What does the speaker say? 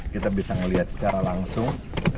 kita bisa melihat secara langsung